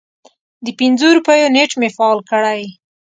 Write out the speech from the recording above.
د پنځو روپیو نیټ مې فعال کړی